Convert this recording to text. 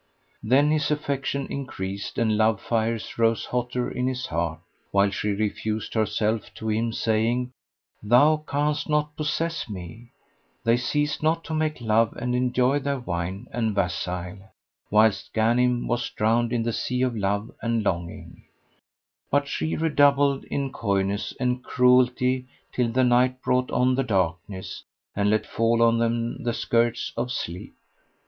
Then his affection increased and love fires rose hotter in his heart, while she refused herself to him saying, "Thou canst not possess me." They ceased not to make love and enjoy their wine and wassail, whilst Ghanim was drowned in the sea of love and longing; but she redoubled in coyness and cruelty till the night brought on the darkness and let fall on them the skirts of sleep.